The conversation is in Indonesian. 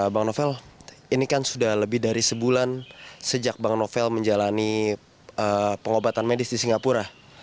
bang novel ini kan sudah lebih dari sebulan sejak bang novel menjalani pengobatan medis di singapura